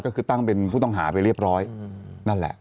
ก็คือตั้งเป็นผู้ต้องหาไปเรียบร้อยนั่นแหละ